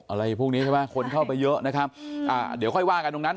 อะไรพวกนี้ใช่ไหมคนเข้าไปเยอะนะครับอ่าเดี๋ยวค่อยว่ากันตรงนั้น